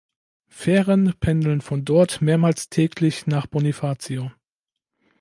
Fähren pendeln von dort mehrmals täglich nach Bonifacio.